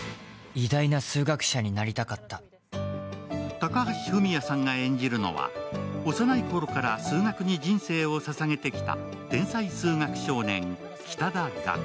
高橋文哉さんが演じるのは、幼い頃から数学に人生を捧げてきた天才数学少年・北田岳。